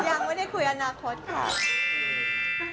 ยังไม่ได้คุยอนาคตค่ะ